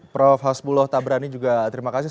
prof hasbuloh tabrani juga terima kasih